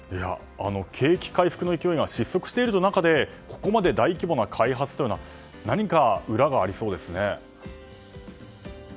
景気回復の勢いが失速している中でここまで大規模な開発は何か裏がありそうですね。